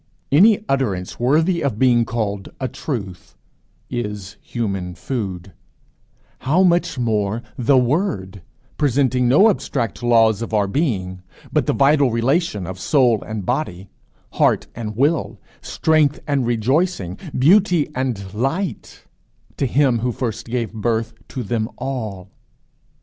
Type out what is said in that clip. Any utterance worthy of being called a truth, is human food: how much more The Word, presenting no abstract laws of our being, but the vital relation of soul and body, heart and will, strength and rejoicing, beauty and light, to Him who first gave birth to them all!